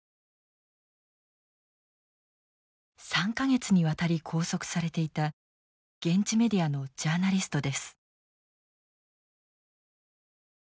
３か月にわたり拘束されていた現地メディアのジャーナリストです。